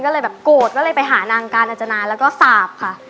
ก็แบบโกรธก็เลยไปหาน้ำกาจนาแล้วก็สาบค่ะ